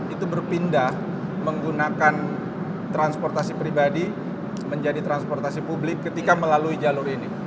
itu berpindah menggunakan transportasi pribadi menjadi transportasi publik ketika melalui jalur ini